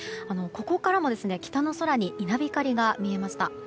ここからも北の空に稲光が見えました。